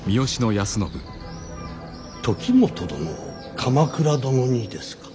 時元殿を鎌倉殿にですか。